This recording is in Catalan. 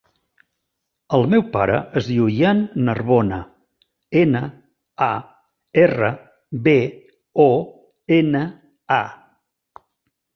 El meu pare es diu Ian Narbona: ena, a, erra, be, o, ena, a.